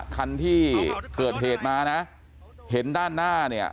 คันที่เกิดเหตุมานะเห็นด้านหน้าเนี่ย